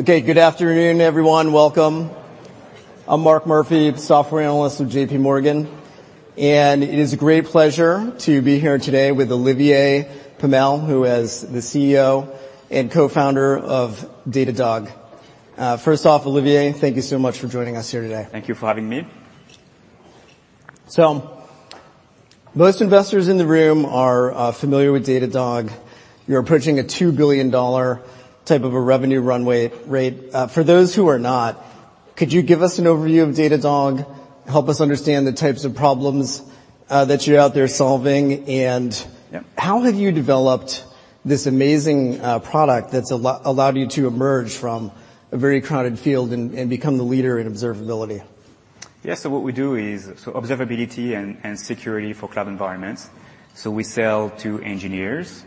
Okay. Good afternoon, everyone. Welcome. I'm Mark Murphy, Software Analyst of JPMorgan. It is a great pleasure to be here today with Olivier Pomel, who is the CEO and Co-Founder of Datadog. First off, Olivier, thank you so much for joining us here today. Thank you for having me. Most investors in the room are familiar with Datadog. You're approaching a $2 billion type of a revenue runway rate. For those who are not, could you give us an overview of Datadog, help us understand the types of problems that you're out there solving. Yeah. How have you developed this amazing product that's allowed you to emerge from a very crowded field and become the leader in observability? Yeah. What we do is observability and security for cloud environments. We sell to engineers,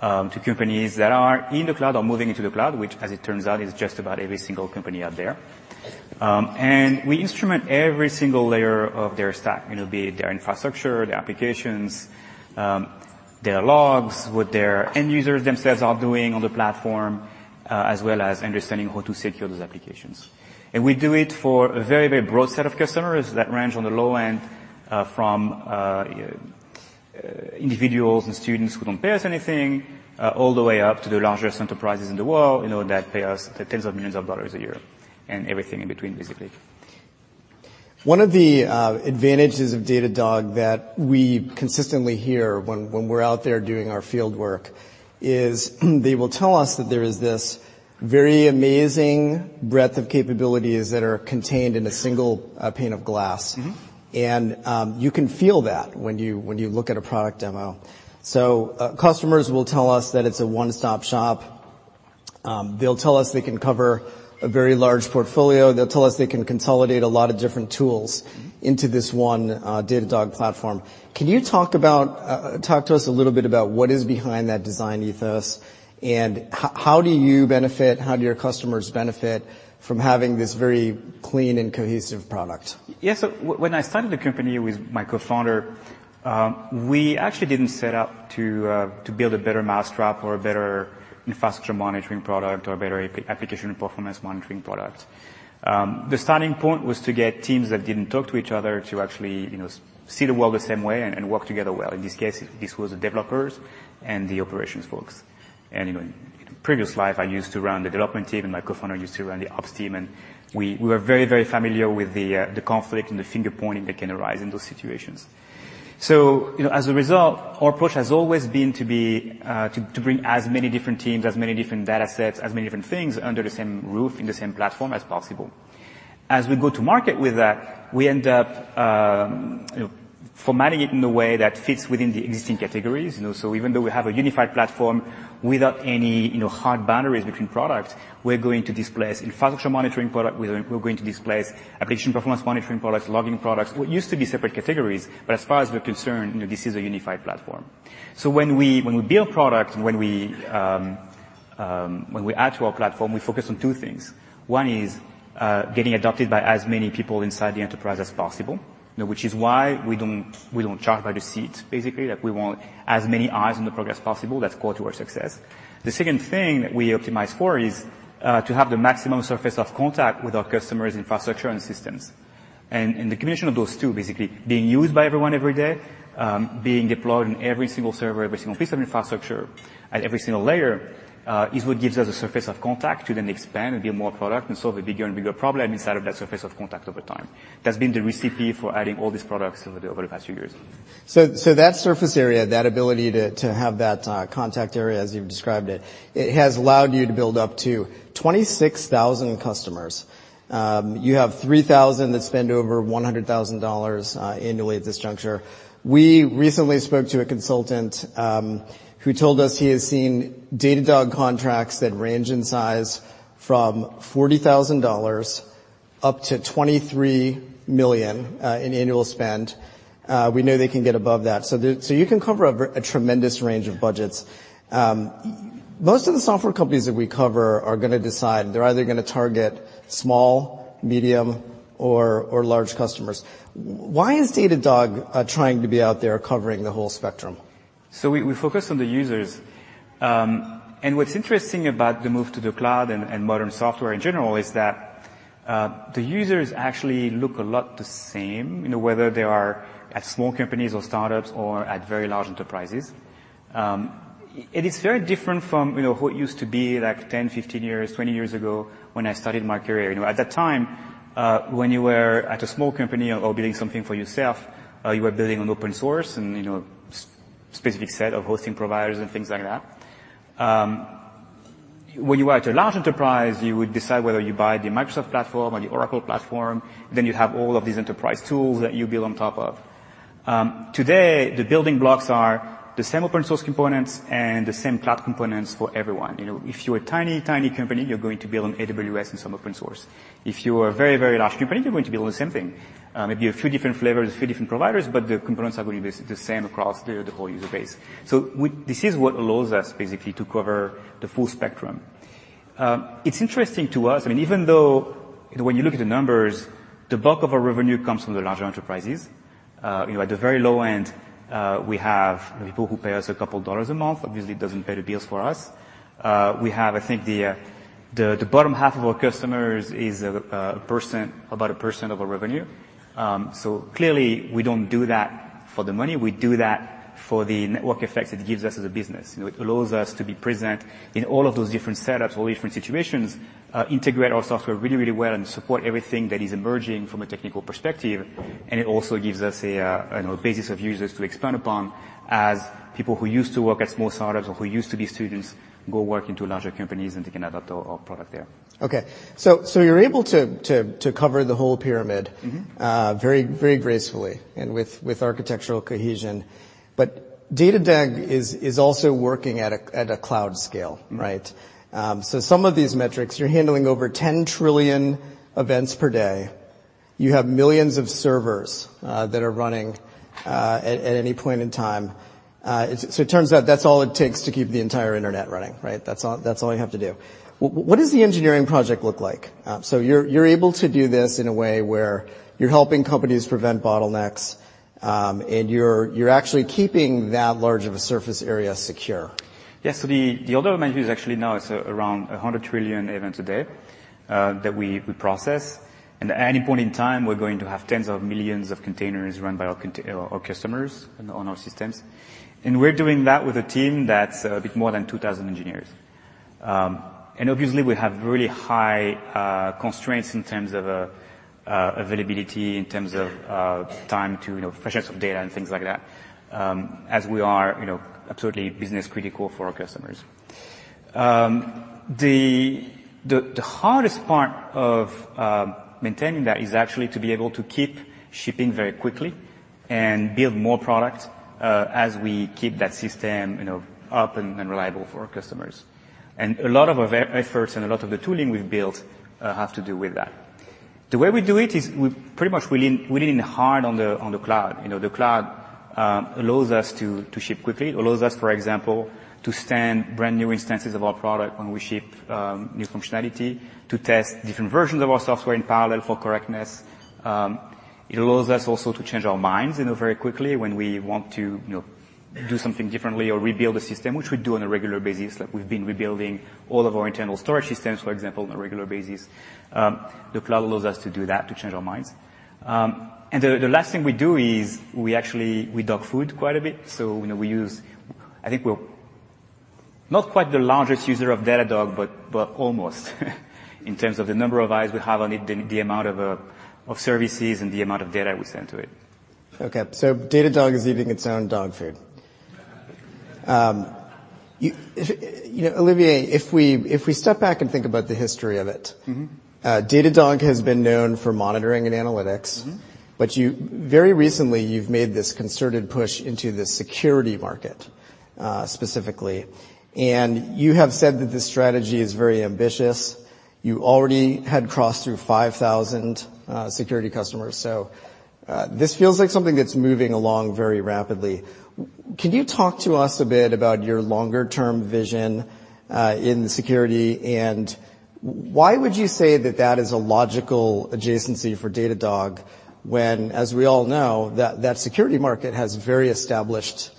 to companies that are in the cloud or moving into the cloud, which as it turns out, is just about every single company out there. We instrument every single layer of their stack, you know, be it their infrastructure, their applications, their logs, what their end users themselves are doing on the platform, as well as understanding how to secure those applications. We do it for a very, very broad set of customers that range on the low end, from individuals and students who don't pay us anything, all the way up to the largest enterprises in the world, you know, that pay us tens of millions of dollars a year and everything in between, basically. One of the, advantages of Datadog that we consistently hear when we're out there doing our field work is they will tell us that there is this very amazing breadth of capabilities that are contained in a single, pane of glass. Mm-hmm. You can feel that when you, when you look at a product demo. Customers will tell us that it's a one-stop shop. They'll tell us they can cover a very large portfolio. They'll tell us they can consolidate a lot of different tools. Mm-hmm. Into this one, Datadog platform. Can you talk about, talk to us a little bit about what is behind that design ethos, and how do you benefit, how do your customers benefit from having this very clean and cohesive product? Yeah. When I started the company with my cofounder, we actually didn't set out to build a better mousetrap or a better infrastructure monitoring product or a better application performance monitoring product. The starting point was to get teams that didn't talk to each other to actually, you know, see the world the same way and work together well. In this case, this was the developers and the operations folks. You know, in previous life, I used to run the development team, and my cofounder used to run the ops team, and we were very, very familiar with the conflict and the finger-pointing that can arise in those situations. You know, as a result, our approach has always been to bring as many different teams, as many different datasets, as many different things under the same roof, in the same platform as possible. As we go to market with that, we end up, you know, formatting it in a way that fits within the existing categories. You know, even though we have a unified platform without any, you know, hard boundaries between products, we're going to displace infrastructure monitoring product, we're going to displace application performance monitoring products, logging products, what used to be separate categories. As far as we're concerned, you know, this is a unified platform. When we build products, when we add to our platform, we focus on two things. One is getting adopted by as many people inside the enterprise as possible. You know, which is why we don't charge by the seat, basically, that we want as many eyes on the product as possible. That's core to our success. The second thing that we optimize for is to have the maximum surface of contact with our customers' infrastructure and systems. The combination of those two, basically being used by everyone every day, being deployed in every single server, every single piece of infrastructure at every single layer, is what gives us a surface of contact to then expand and build more product and solve a bigger and bigger problem inside of that surface of contact over time. That's been the recipe for adding all these products over the past few years. That surface area, that ability to have that contact area as you've described it has allowed you to build up to 26,000 customers. You have 3,000 that spend over $100,000 annually at this juncture. We recently spoke to a consultant who told us he has seen Datadog contracts that range in size from $40,000 up to $23 million in annual spend. We know they can get above that. You can cover a tremendous range of budgets. Most of the software companies that we cover are gonna decide, they're either gonna target small, medium, or large customers. Why is Datadog trying to be out there covering the whole spectrum? We focus on the users. And what's interesting about the move to the cloud and modern software in general is that the users actually look a lot the same, you know, whether they are at small companies or startups or at very large enterprises. It is very different from, you know, what used to be like 10, 15 years, 20 years ago when I started my career. You know, at that time, when you were at a small company or building something for yourself, you were building on open source and, you know, specific set of hosting providers and things like that. When you are at a large enterprise, you would decide whether you buy the Microsoft platform or the Oracle platform, you have all of these enterprise tools that you build on top of. Today the building blocks are the same open source components and the same cloud components for everyone. You know, if you're a tiny company, you're going to build on AWS and some open source. If you are a very, very large company, you're going to build the same thing. Maybe a few different flavors, a few different providers, but the components are gonna be the same across the whole user base. This is what allows us basically to cover the full spectrum. It's interesting to us. I mean, even though when you look at the numbers, the bulk of our revenue comes from the larger enterprises. You know, at the very low end, we have people who pay us a couple of dollars a month. Obviously, it doesn't pay the bills for us. I think the bottom half of our customers is 1%, about 1% of our revenue. Clearly, we don't do that for the money. We do that for the network effects it gives us as a business. You know, it allows us to be present in all of those different setups or different situations, integrate our software really, really well, and support everything that is emerging from a technical perspective. It also gives us a, you know, basis of users to expand upon as people who used to work at small startups or who used to be students go work into larger companies, and they can adopt our product there. Okay. You're able to cover the whole pyramid- Mm-hmm. Very, very gracefully and with architectural cohesion. Datadog is also working at a cloud scale, right? Some of these metrics, you're handling over 10 trillion events per day. You have millions of servers that are running at any point in time. It turns out that's all it takes to keep the entire internet running, right? That's all you have to do. What does the engineering project look like? You're able to do this in a way where you're helping companies prevent bottlenecks, and you're actually keeping that large of a surface area secure. Yes. The, the order of magnitude is actually now is around 100 trillion events a day, that we process. At any point in time, we're going to have tens of millions of containers run by our customers on our systems. We're doing that with a team that's a bit more than 2,000 engineers. Obviously, we have really high constraints in terms of availability, in terms of time to, you know, pressures of data and things like that, as we are, you know, absolutely business critical for our customers. The, the hardest part of maintaining that is actually to be able to keep shipping very quickly and build more product, as we keep that system, you know, up and reliable for our customers. A lot of our efforts and a lot of the tooling we've built have to do with that. The way we do it is we pretty much lean hard on the cloud. You know, the cloud allows us to ship quickly. It allows us, for example, to stand brand-new instances of our product when we ship new functionality to test different versions of our software in parallel for correctness. It allows us also to change our minds, you know, very quickly when we want to, you know, do something differently or rebuild a system, which we do on a regular basis. Like, we've been rebuilding all of our internal storage systems, for example, on a regular basis. The cloud allows us to do that, to change our minds. The last thing we do is we actually, we dog food quite a bit. You know, I think we're not quite the largest user of Datadog, but almost in terms of the number of eyes we have on it, the amount of services and the amount of data we send to it. Okay. Datadog is eating its own dog food. You know, Olivier, if we step back and think about the history of it- Mm-hmm. Datadog has been known for monitoring and analytics. Mm-hmm. Very recently, you've made this concerted push into the security market, specifically. You have said that this strategy is very ambitious. You already had crossed through 5,000 security customers. This feels like something that's moving along very rapidly. Would you talk to us a bit about your longer term vision, in security, and why would you say that that is a logical adjacency for Datadog when, as we all know, that security market has very established,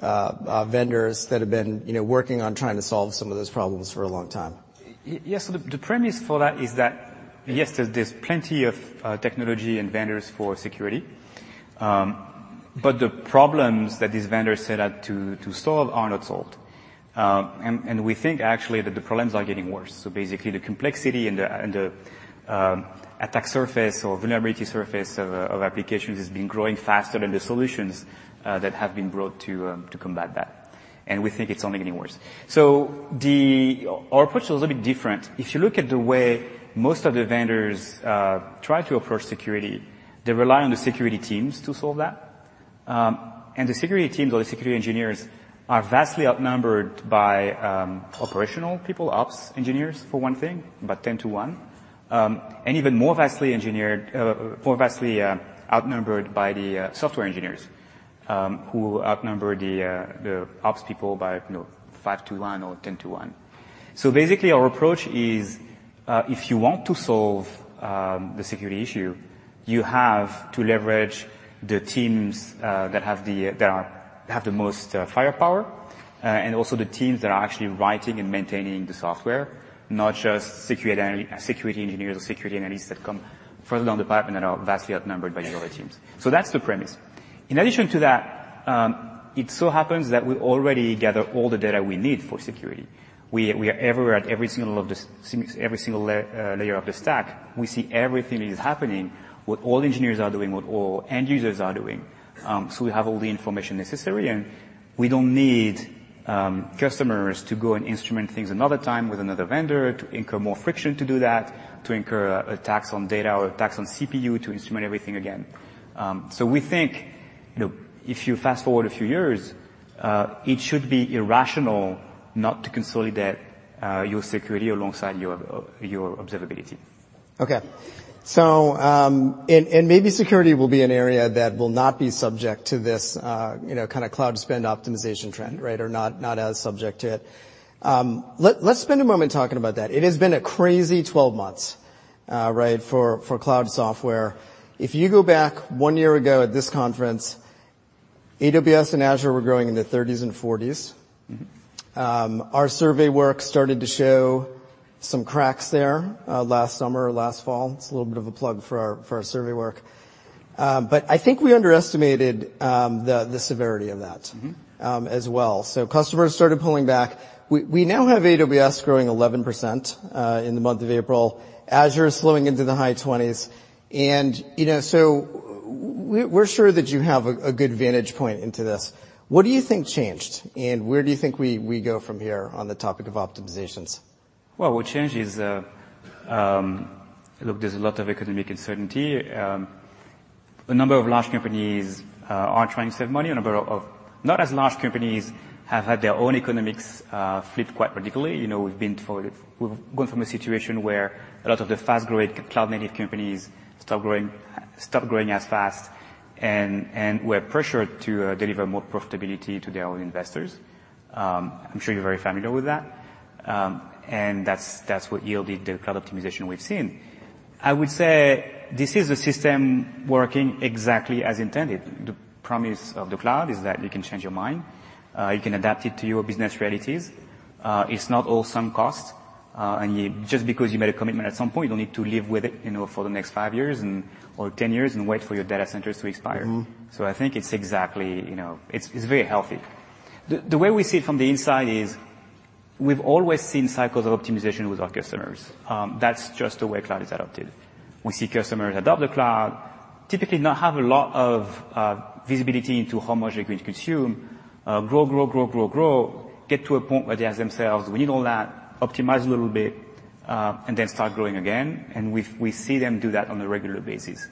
vendors that have been, you know, working on trying to solve some of those problems for a long time? Yes. The premise for that is that, yes, there's plenty of technology and vendors for security. The problems that these vendors set out to solve are not solved. We think actually that the problems are getting worse. Basically, the complexity and the and the attack surface or vulnerability surface of applications has been growing faster than the solutions that have been brought to combat that. We think it's only getting worse. Our approach is a little bit different. If you look at the way most of the vendors try to approach security, they rely on the security teams to solve that. The security teams or the security engineers are vastly outnumbered by operational people, ops engineers, for one thing, about 10 to one. Even more vastly engineered, more vastly outnumbered by the software engineers, who outnumber the ops people by, you know, five to one or 10 to one. Basically, our approach is, if you want to solve the security issue, you have to leverage the teams that have the most firepower, and also the teams that are actually writing and maintaining the software, not just security engineers or security analysts that come further down the pipe and are vastly outnumbered by the other teams. That's the premise. In addition to that, it so happens that we already gather all the data we need for security. We, we are everywhere at every single layer of the stack. We see everything that is happening, what all engineers are doing, what all end users are doing. We have all the information necessary, and we don't need customers to go and instrument things another time with another vendor to incur more friction to do that, to incur a tax on data or a tax on CPU to instrument everything again. We think, you know, if you fast-forward a few years, it should be irrational not to consolidate your security alongside your observability. Okay. Maybe security will be an area that will not be subject to this, you know, kinda cloud spend optimization trend, right? Not as subject to it. Let's spend a moment talking about that. It has been a crazy 12 months. Right, for cloud software. If you go back one year ago at this conference, AWS and Azure were growing in the 30%s and 40%s. Mm-hmm. Our survey work started to show some cracks there, last summer or last fall. It's a little bit of a plug for our, for our survey work. I think we underestimated the severity of that. Mm-hmm As well. Customers started pulling back. We now have AWS growing 11% in the month of April. Azure is slowing into the high 20%s. You know, so we're sure that you have a good vantage point into this. What do you think changed, and where do you think we go from here on the topic of optimizations? What changed is, look, there's a lot of economic uncertainty. A number of large companies are trying to save money. A number of not as large companies have had their own economics flip quite radically. You know, We've gone from a situation where a lot of the fast-growing cloud-native companies stop growing as fast and were pressured to deliver more profitability to their own investors. I'm sure you're very familiar with that. That's what yielded the cloud optimization we've seen. I would say this is a system working exactly as intended. The promise of the cloud is that you can change your mind, you can adapt it to your business realities. It's not all sum costs, just because you made a commitment at some point, you don't need to live with it, you know, for the next five years and or 10 years and wait for your data centers to expire. Mm-hmm. I think it's exactly, you know. It's very healthy. The way we see it from the inside is we've always seen cycles of optimization with our customers. That's just the way cloud is adopted. We see customers adopt the cloud, typically not have a lot of visibility into how much they're going to consume. Grow, grow, grow. Get to a point where they ask themselves, we need all that. Optimize a little bit, and then start growing again. We see them do that on a regular basis.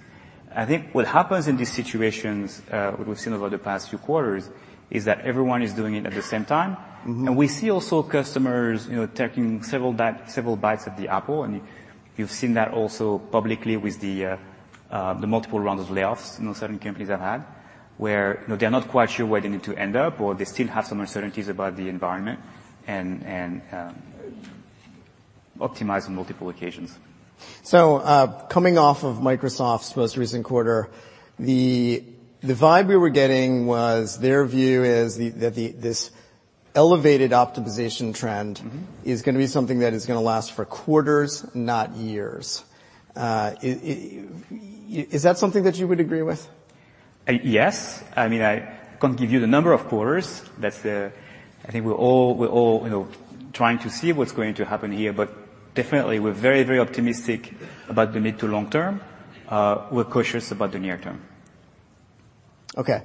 I think what happens in these situations, what we've seen over the past few quarters, is that everyone is doing it at the same time. Mm-hmm. We see also customers, you know, taking several bites at the apple. You've seen that also publicly with the multiple rounds of layoffs, you know, certain companies have had. Where, you know, they're not quite sure where they need to end up or they still have some uncertainties about the environment and optimize on multiple occasions. Coming off of Microsoft's most recent quarter, the vibe we were getting was their view is the this elevated optimization trend. Mm-hmm Is gonna be something that is gonna last for quarters, not years. Is that something that you would agree with? Yes. I mean, I can't give you the number of quarters. That's, I think we're all, you know, trying to see what's going to happen here. Definitely we're very optimistic about the mid to long term. We're cautious about the near term. Okay.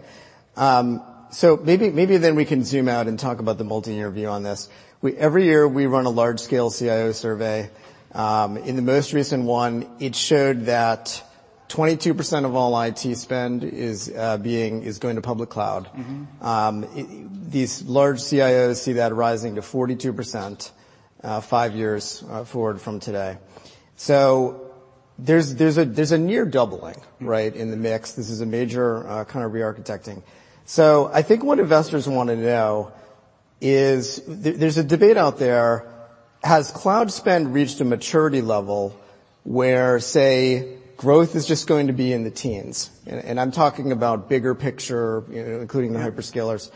Maybe, maybe then we can zoom out and talk about the multi-year view on this. Every year, we run a large-scale CIO survey. In the most recent one, it showed that 22% of all IT spend is going to public cloud. Mm-hmm. These large CIOs see that rising to 42%, five years forward from today. There's a near doubling, right, in the mix. This is a major kind of re-architecting. I think what investors wanna know is there's a debate out there, has cloud spend reached a maturity level where, say, growth is just going to be in the teens? I'm talking about bigger picture, you know, including the hyperscalers.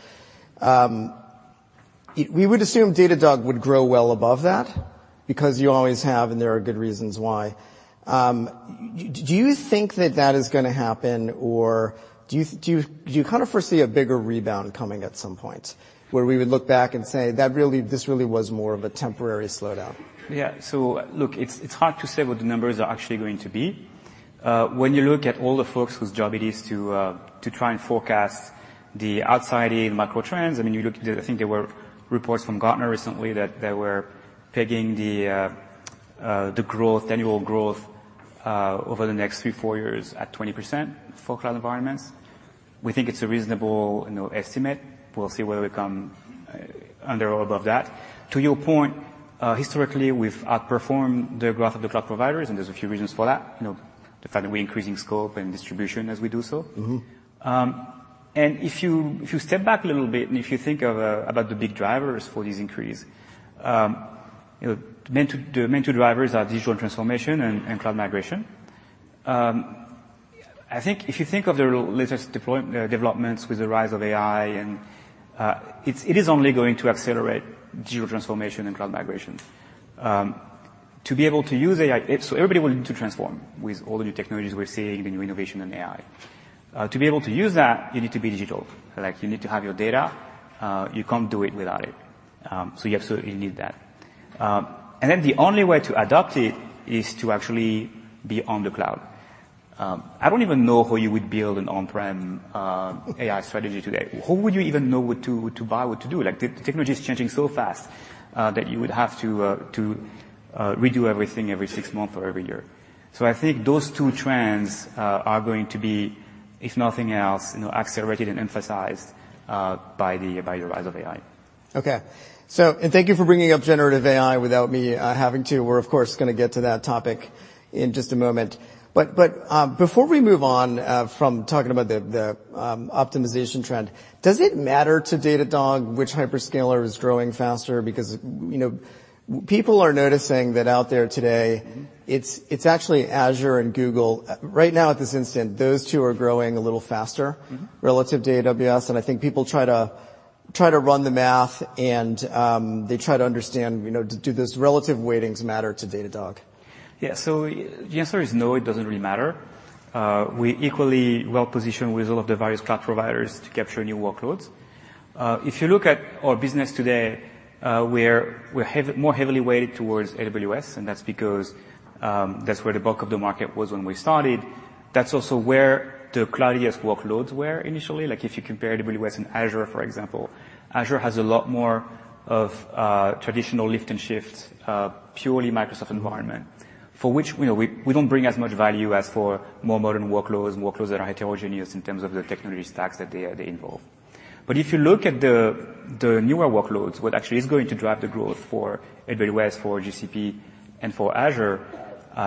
We would assume Datadog would grow well above that because you always have and there are good reasons why. Do you think that that is gonna happen or do you kind of foresee a bigger rebound coming at some point where we would look back and say, this really was more of a temporary slowdown? Look, it's hard to say what the numbers are actually going to be. When you look at all the folks whose job it is to try and forecast the outside in macro trends, I mean, you look, I think there were reports from Gartner recently that they were pegging the growth, annual growth, over the next three to four years at 20% for cloud environments. We think it's a reasonable, you know, estimate. We'll see whether we come under or above that. To your point, historically we've outperformed the growth of the cloud providers, and there's a few reasons for that. You know, the fact that we're increasing scope and distribution as we do so. Mm-hmm. If you step back a little bit and if you think about the big drivers for this increase, the main two drivers are digital transformation and cloud migration. I think if you think of the latest developments with the rise of AI, it is only going to accelerate digital transformation and cloud migration. To be able to use AI. Everybody wants to transform with all the new technologies we're seeing, the new innovation in AI. To be able to use that, you need to be digital. Like, you need to have your data. You can't do it without it. You absolutely need that. The only way to adopt it is to actually be on the cloud. I don't even know how you would build an on-prem AI strategy today. Who would you even know what to buy, what to do? Like, the technology is changing so fast, that you would have to redo everything every six months or every year. I think those two trends are going to be, if nothing else, you know, accelerated and emphasized by the rise of AI. Thank you for bringing up generative AI without me having to. We're of course gonna get to that topic in just a moment. Before we move on from talking about the optimization trend, does it matter to Datadog which hyperscaler is growing faster? Because, you know, people are noticing that out there today? Mm-hmm. it's actually Azure and Google. Right now at this instant, those two are growing a little faster, Mm-hmm. Relative to AWS. I think people try to run the math and, they try to understand, you know, do those relative weightings matter to Datadog? The answer is no, it doesn't really matter. We're equally well-positioned with all of the various cloud providers to capture new workloads. If you look at our business today, we're more heavily weighted towards AWS, that's because that's where the bulk of the market was when we started. That's also where the cloudiest workloads were initially. Like, if you compare AWS and Azure, for example, Azure has a lot more of traditional lift and shift, purely Microsoft environment. For which, you know, we don't bring as much value as for more modern workloads that are heterogeneous in terms of the technology stacks that they are involved. If you look at the newer workloads, what actually is going to drive the growth for AWS, for GCP, and for Azure,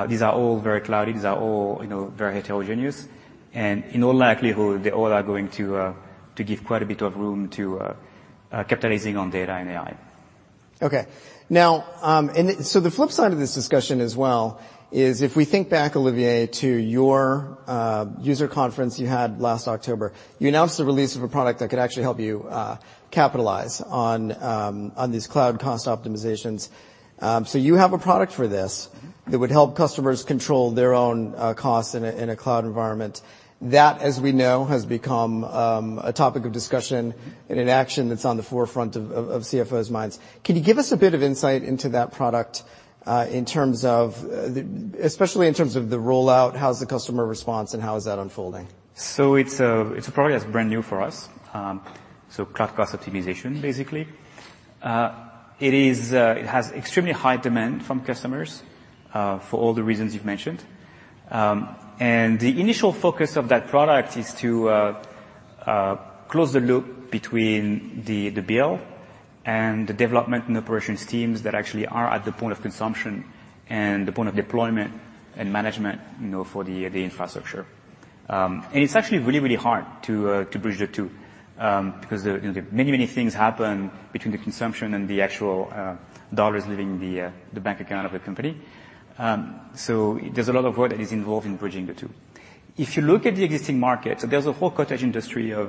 these are all very cloudy. These are all, you know, very heterogeneous. In all likelihood, they all are going to give quite a bit of room to capitalizing on data and AI. Okay. Now, the flip side of this discussion as well is if we think back, Olivier, to your user conference you had last October, you announced the release of a product that could actually help you capitalize on these cloud cost optimizations. You have a product for this? Mm-hmm. That would help customers control their own costs in a cloud environment. That, as we know, has become a topic of discussion and an action that's on the forefront of CFOs' minds. Can you give us a bit of insight into that product in terms of the, especially in terms of the rollout, how's the customer response, and how is that unfolding? It's a product that's brand new for us. cloud cost optimization, basically. It is. It has extremely high demand from customers, for all the reasons you've mentioned. The initial focus of that product is to close the loop between the bill and the development and operations teams that actually are at the point of consumption and the point of deployment and management, you know, for the infrastructure. It's actually really, really hard to bridge the two, because there, you know, many, many things happen between the consumption and the actual dollars leaving the bank account of the company. There's a lot of work that is involved in bridging the two. If you look at the existing market, there's a whole cottage industry of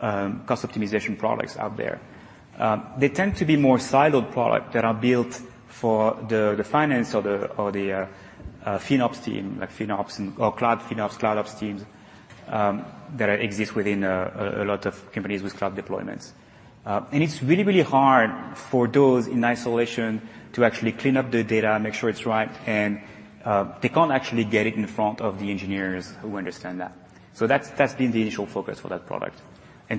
cost optimization products out there. They tend to be more siloed product that are built for the finance or the, or the FinOps team, like FinOps or cloud FinOps, cloud ops teams, that exist within a lot of companies with cloud deployments. It's really, really hard for those in isolation to actually clean up the data, make sure it's right, they can't actually get it in front of the engineers who understand that. That's been the initial focus for that product.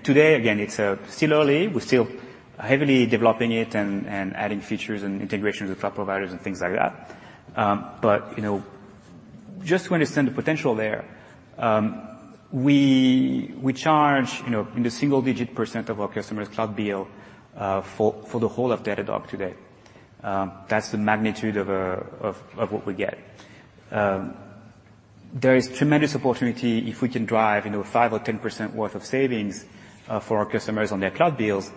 Today, again, it's still early. We're still heavily developing it and adding features and integrations with cloud providers and things like that. You know, just to understand the potential there, we charge, you know, in the single-digit percent of our customers' cloud bill, for the whole of Datadog today. That's the magnitude of what we get. There is tremendous opportunity if we can drive, you know, 5% or 10% worth of savings, for our customers on their cloud bills,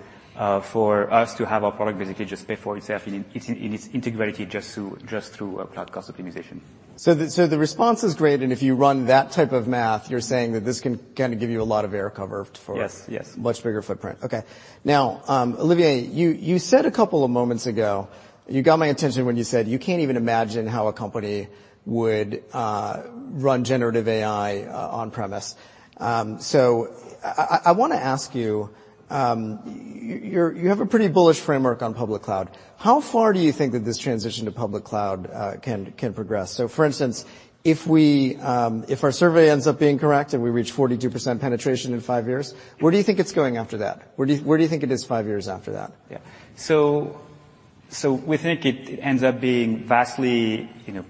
for us to have our product basically just pay for itself in its integrity just through cloud cost optimization. The response is great, and if you run that type of math, you're saying that this can kind of give you a lot of air cover for. Yes. Yes. Much bigger footprint. Okay. Now, Olivier, you said a couple of moments ago, you got my attention when you said you can't even imagine how a company would run generative AI on premise. I wanna ask you have a pretty bullish framework on public cloud. How far do you think that this transition to public cloud can progress? For instance, if we, if our survey ends up being correct, and we reach 42% penetration in five years, where do you think it's going after that? Where do you think it is five years after that? Yeah. We think it ends up being vastly, you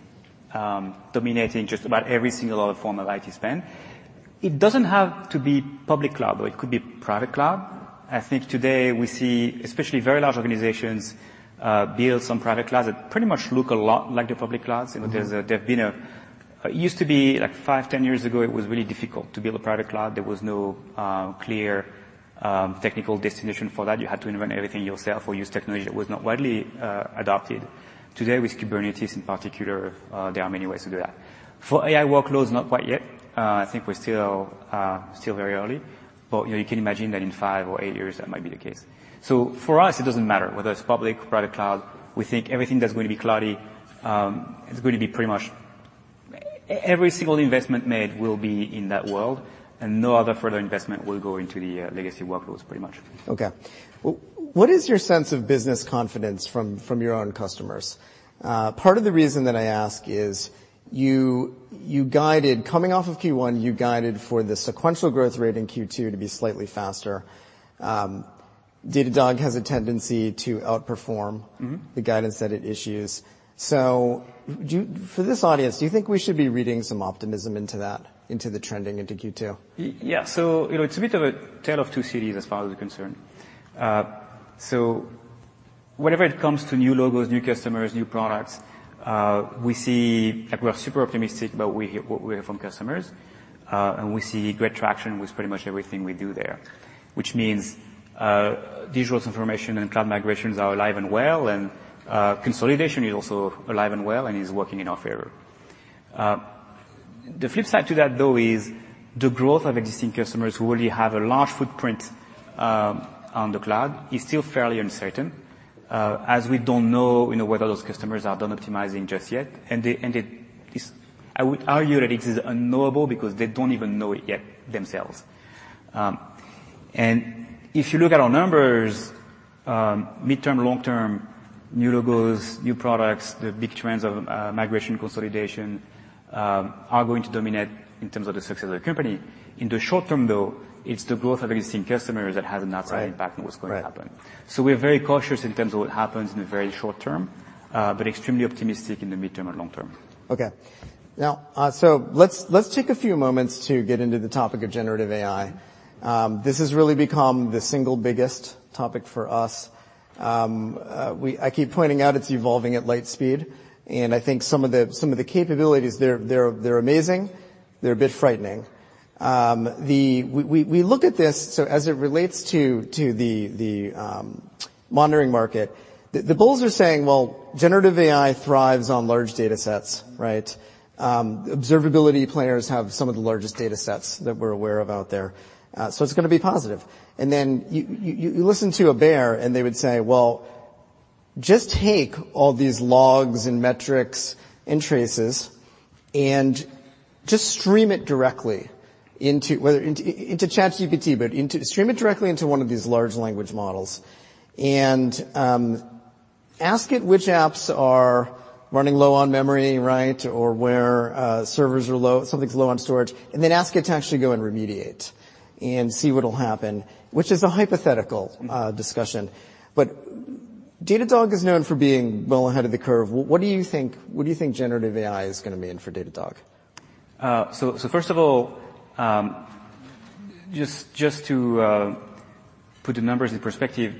know, dominating just about every single other form of IT spend. It doesn't have to be public cloud. It could be private cloud. I think today we see, especially very large organizations, build some private clouds that pretty much look a lot like the public clouds. Mm-hmm. You know, It used to be like five, 10 years ago, it was really difficult to build a private cloud. There was no clear technical destination for that. You had to invent everything yourself or use technology that was not widely adopted. Today, with Kubernetes in particular, there are many ways to do that. For AI workloads, not quite yet. I think we're still still very early. You know, you can imagine that in five or eight years, that might be the case. For us, it doesn't matter whether it's public or private cloud. We think everything that's going to be cloudy, is going to be Every single investment made will be in that world, and no other further investment will go into the legacy workloads, pretty much. Okay. What is your sense of business confidence from your own customers? Part of the reason that I ask is you guided coming off of Q1, you guided for the sequential growth rate in Q2 to be slightly faster. Datadog has a tendency to outperform- Mm-hmm. The guidance that it issues. For this audience, do you think we should be reading some optimism into that, into the trending into Q2? Yeah. you know, it's a bit of a tale of two cities as far as we're concerned. Whenever it comes to new logos, new customers, new products, we see like we are super optimistic about we hear what we hear from customers, and we see great traction with pretty much everything we do there. Which means, digital transformation and cloud migrations are alive and well, consolidation is also alive and well and is working in our favor. The flip side to that though is the growth of existing customers who already have a large footprint, on the cloud is still fairly uncertain, as we don't know, you know, whether those customers are done optimizing just yet. They, and it is. I would argue that it is unknowable because they don't even know it yet themselves. If you look at our numbers, mid-term, long-term, new logos, new products, the big trends of migration consolidation, are going to dominate in terms of the success of the company. In the short term though, it's the growth of existing customers that has an outside impact. Right. On what's going to happen. Right. We're very cautious in terms of what happens in the very short term, but extremely optimistic in the mid-term and long term. Okay. Now, let's take a few moments to get into the topic of generative AI. This has really become the single biggest topic for us. I keep pointing out it's evolving at light speed, and I think some of the capabilities, they're amazing. They're a bit frightening. We look at this, as it relates to the monitoring market, the bulls are saying, generative AI thrives on large datasets, right? Observability players have some of the largest datasets that we're aware of out there, it's gonna be positive. You listen to a bear, and they would say, well, just take all these logs and metrics and traces and just stream it directly into one of these large language models, ask it which apps are running low on memory, right? Where servers are low, something's low on storage, ask it to actually go and remediate and see what'll happen. Which is a hypothetical discussion. Datadog is known for being well ahead of the curve. What do you think generative AI is gonna mean for Datadog? First of all, to put the numbers in perspective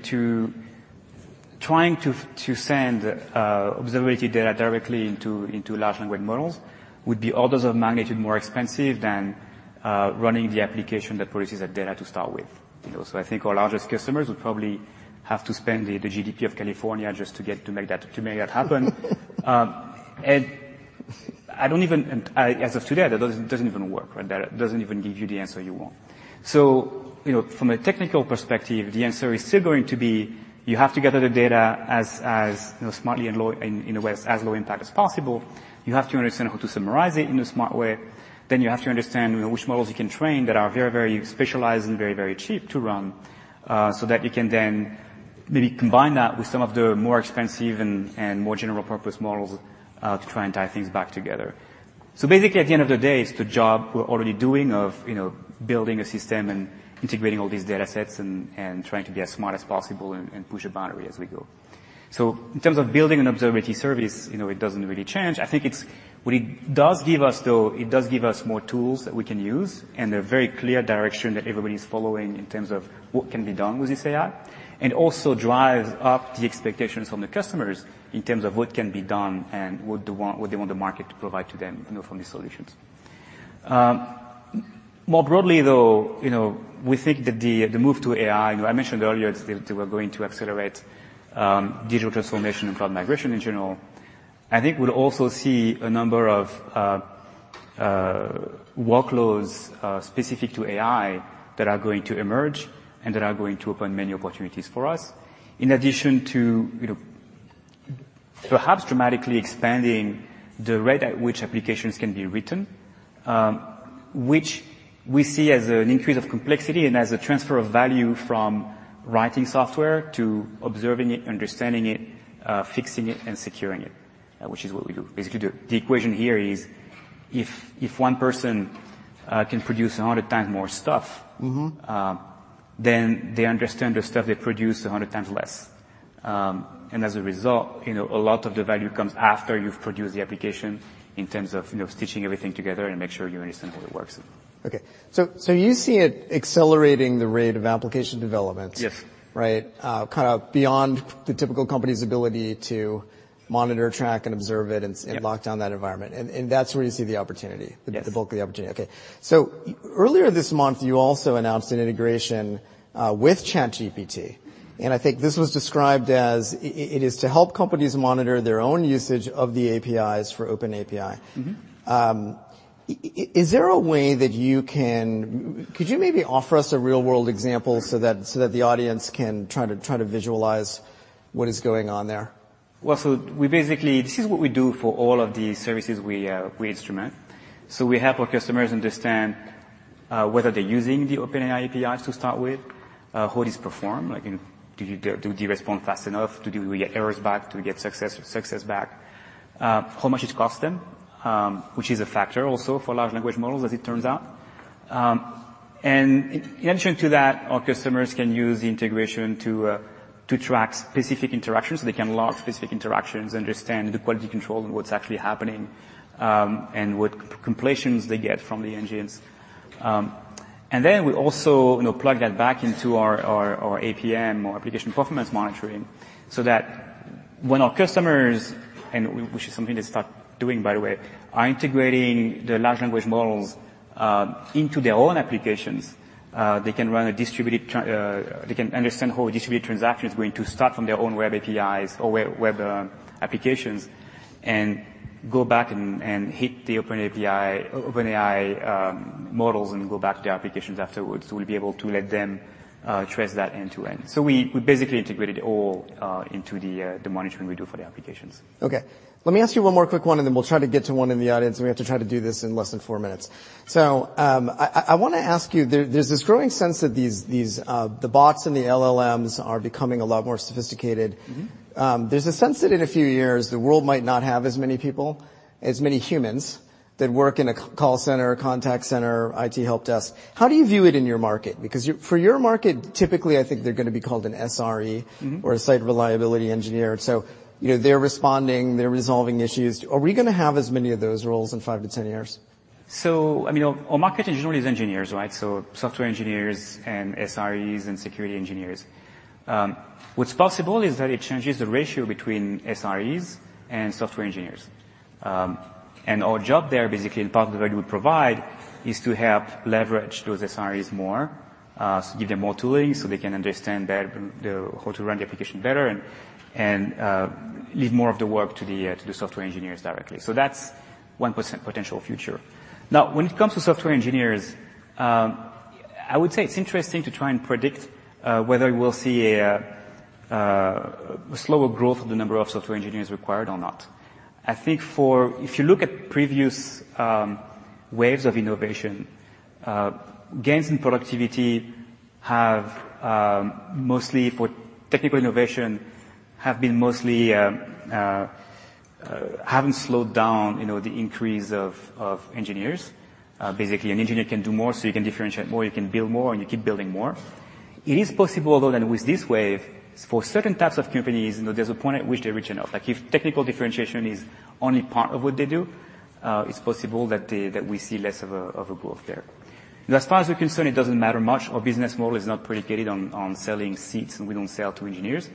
trying to send observability data directly into large language models would be orders of magnitude more expensive than running the application that produces that data to start with. You know, I think our largest customers would probably have to spend the GDP of California just to make that happen. I as of today, that doesn't, it doesn't even work, right? That doesn't even give you the answer you want. You know, from a technical perspective, the answer is still going to be, you have to gather the data as, you know, smartly and low and in a way as low impact as possible. You have to understand how to summarize it in a smart way. You have to understand, you know, which models you can train that are very, very specialized and very, very cheap to run, so that you can then maybe combine that with some of the more expensive and more general-purpose models to try and tie things back together. Basically, at the end of the day, it's the job we're already doing of, you know, building a system and integrating all these datasets and trying to be as smart as possible and push a boundary as we go. In terms of building an observability service, you know, it doesn't really change. I think it's, what it does give us though, it does give us more tools that we can use and a very clear direction that everybody's following in terms of what can be done with this AI. Also drives up the expectations from the customers in terms of what can be done and what they want the market to provide to them, you know, from these solutions. More broadly though, you know, we think that the move to AI, you know, I mentioned earlier We're going to accelerate digital transformation and cloud migration in general. I think we'll also see a number of workloads specific to AI that are going to emerge and that are going to open many opportunities for us, in addition to, you know, perhaps dramatically expanding the rate at which applications can be written, which we see as an increase of complexity and as a transfer of value from writing software to observing it, understanding it, fixing it and securing it, which is what we do, basically do. The equation here is if one person can produce 100x more stuff- Mm-hmm. Then they understand the stuff they produce 100x less. As a result, you know, a lot of the value comes after you've produced the application in terms of, you know, stitching everything together and make sure you understand how it works. Okay. So you see it accelerating the rate of application development- Yes. Right? kind of beyond the typical company's ability to monitor, track, and observe it and- Yep. And lock down that environment. That's where you see the opportunity- Yes. The bulk of the opportunity. Okay. Earlier this month, you also announced an integration with ChatGPT, and I think this was described as it is to help companies monitor their own usage of the APIs for OpenAI. Mm-hmm. Could you maybe offer us a real-world example so that the audience can try to visualize what is going on there? This is what we do for all of the services we instrument. We help our customers understand whether they're using the OpenAI APIs to start with, how these perform. Like, you know, do they respond fast enough? Do we get errors back? Do we get success back? How much it costs them, which is a factor also for large language models as it turns out. In addition to that, our customers can use the integration to track specific interactions. They can log specific interactions, understand the quality control and what's actually happening, and what completions they get from the engines. Then we also, you know, plug that back into our APM or application performance monitoring, so that when our customers, and which is something they start doing, by the way, are integrating the large language models into their own applications, they can run a distributed transaction. They can understand how a distributed transaction is going to start from their own web APIs or web applications and go back and hit the OpenAI models and go back to the applications afterwards. We'll be able to let them trace that end to end. We basically integrated all into the monitoring we do for the applications. Okay. Let me ask you one more quick one, and then we'll try to get to one in the audience, and we have to try to do this in less than four minutes. I wanna ask you, there's this growing sense that these the bots and the LLMs are becoming a lot more sophisticated. Mm-hmm. There's a sense that in a few years the world might not have as many people, as many humans that work in a call center, contact center, IT helpdesk. How do you view it in your market? Because for your market, typically, I think they're gonna be called an SRE- Mm-hmm. A site reliability engineer. You know, they're responding, they're resolving issues. Are we gonna have as many of those roles in five to 10 years? I mean, our market generally is engineers, right? Software engineers and SREs and security engineers. What's possible is that it changes the ratio between SREs and software engineers. Our job there, basically the part that we provide, is to help leverage those SREs more, give them more tooling so they can understand better the, how to run the application better and, leave more of the work to the, to the software engineers directly. That's one potential future. When it comes to software engineers, I would say it's interesting to try and predict whether we'll see a slower growth of the number of software engineers required or not. I think for, if you look at previous waves of innovation, gains in productivity have been mostly for technical innovation, haven't slowed down, you know, the increase of engineers. Basically an engineer can do more, so you can differentiate more, you can build more, and you keep building more. It is possible, although, than with this wave, for certain types of companies, you know, there's a point at which they reach enough. Like, if technical differentiation is only part of what they do, it's possible that we see less of a growth there. As far as we're concerned, it doesn't matter much. Our business model is not predicated on selling seats, and we don't sell to engineers.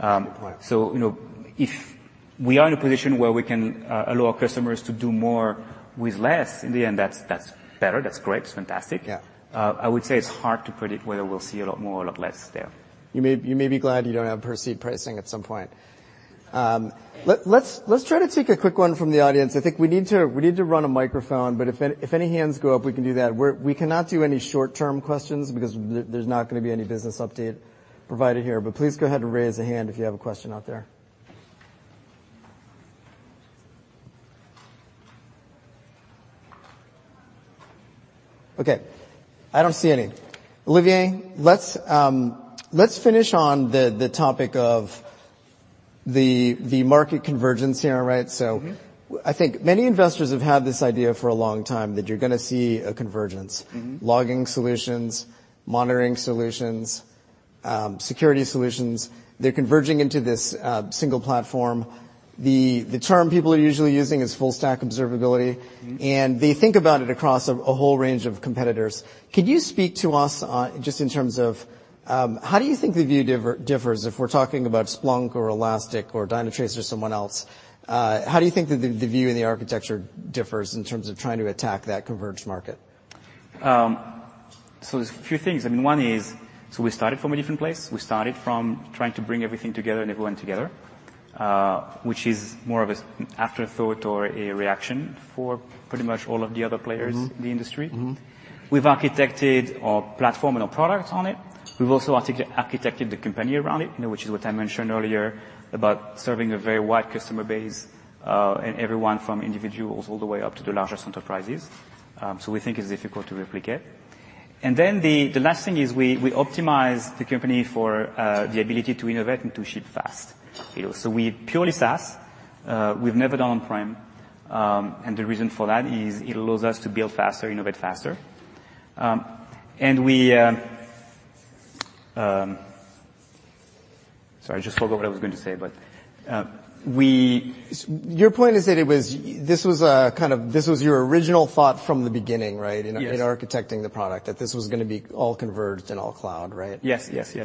Right. You know, if we are in a position where we can, allow customers to do more with less, in the end, that's better. That's great. It's fantastic. Yeah. I would say it's hard to predict whether we'll see a lot more or a lot less there. You may be glad you don't have per seat pricing at some point. Let's try to take a quick one from the audience. I think we need to run a microphone, but if any hands go up, we can do that. We cannot do any short-term questions because there's not gonna be any business update provided here. Please go ahead and raise a hand if you have a question out there. Okay. I don't see any. Olivier, let's finish on the topic of the market convergence here, right? Mm-hmm. I think many investors have had this idea for a long time that you're gonna see a convergence. Mm-hmm. Logging solutions, monitoring solutions, security solutions, they're converging into this single platform. The term people are usually using is full-stack observability. Mm-hmm. They think about it across a whole range of competitors. Could you speak to us just in terms of how do you think the view differs if we're talking about Splunk or Elastic or Dynatrace or someone else? How do you think the view in the architecture differs in terms of trying to attack that converged market? There's a few things. I mean, one is so we started from a different place. We started from trying to bring everything together and everyone together, which is more of an afterthought or a reaction for pretty much all of the other players. Mm-hmm. In the industry. Mm-hmm. We've architected our platform and our product on it. We've also architected the company around it, you know, which is what I mentioned earlier about serving a very wide customer base, and everyone from individuals all the way up to the largest enterprises. We think it's difficult to replicate. The last thing is we optimize the company for the ability to innovate and to ship fast. You know, we're purely SaaS. We've never done on-prem. The reason for that is it allows us to build faster, innovate faster. And we, sorry, I just forgot what I was going to say, but we- Your point is that it was, this was your original thought from the beginning, right? Yes. In architecting the product, that this was gonna be all converged and all cloud, right? Yes, yes. You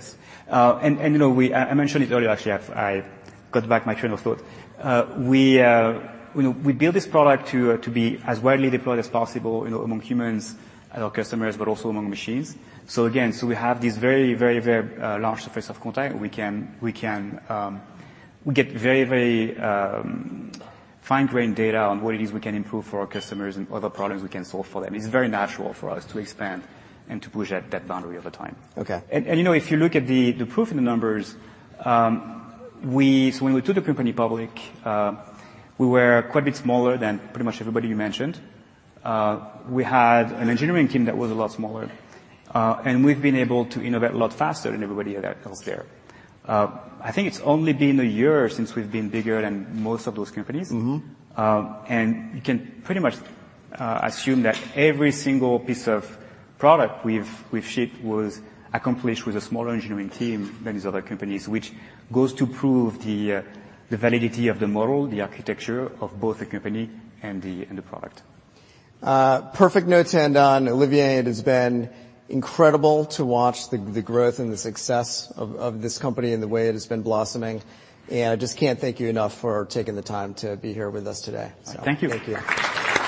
know, I mentioned it earlier, actually. I've got back my train of thought. We, you know, we build this product to be as widely deployed as possible, you know, among humans and our customers, but also among machines. Again, we have this very large surface of contact. We can, we get very fine-grained data on what it is we can improve for our customers and other problems we can solve for them. It's very natural for us to expand and to push at that boundary over time. Okay. You know, if you look at the proof in the numbers, when we took the company public, we were quite a bit smaller than pretty much everybody you mentioned. We had an engineering team that was a lot smaller. We've been able to innovate a lot faster than everybody else there. I think it's only been a year since we've been bigger than most of those companies. Mm-hmm. You can pretty much assume that every single piece of product we've shipped was accomplished with a smaller engineering team than these other companies, which goes to prove the validity of the model, the architecture of both the company and the product. Perfect note to end on. Olivier, it has been incredible to watch the growth and the success of this company and the way it has been blossoming. I just can't thank you enough for taking the time to be here with us today. Thank you. Thank you.